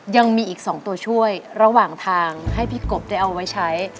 ยังมีอีก๒ตัวช่วยระหว่างทางให้พี่กบได้เอาไว้ใช้